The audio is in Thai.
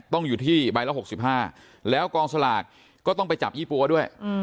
ต้องอยู่ที่ใบละ๖๕แล้วกองสลากก็ต้องไปจับยี่ปั๊วด้วย